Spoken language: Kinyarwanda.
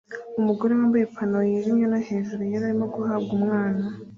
Umugore wambaye ipantaro yijimye no hejuru yera arimo guhabwa umwana